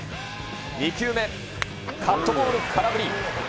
２球目、カットボール空振り。